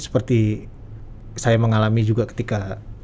seperti saya mengalami juga ketika